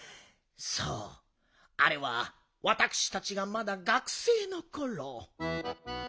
そうあれはわたくしたちがまだ学生のころ。